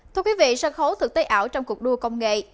thưa quý vị sân khấu thực tế ảo trong cuộc đua công nghệ